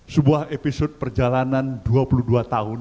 sebuah episode perjalanan dua puluh dua tahun